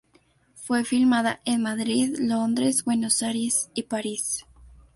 Fue filmada en Madrid, Londres, Buenos Aires y París.